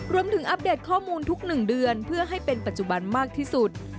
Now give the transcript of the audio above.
อัปเดตข้อมูลทุก๑เดือนเพื่อให้เป็นปัจจุบันมากที่สุด